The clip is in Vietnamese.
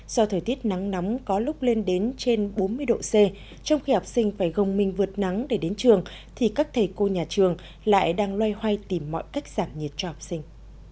do thời tiết nắng nóng có lúc lên đến trên bốn mươi độ c trong khi học sinh phải gồng minh vượt nắng để đến trường thì các thầy cô nhà trường lại đang loay hoay tìm mọi cách giảm nhiệt cho học sinh